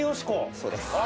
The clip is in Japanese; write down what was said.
そうです。